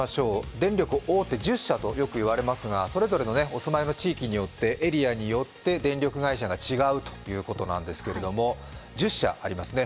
電力大手１０社とよくいわれますがそれぞれのお住まいの地域によって、エリアによって電力会社が違うということなんですけれども１０社ありますね。